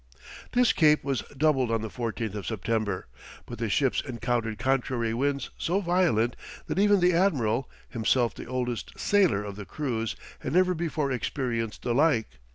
This cape was doubled on the 14th of September, but the ships encountered contrary winds so violent, that even the admiral, himself the oldest sailor of the crews, had never before experienced the like.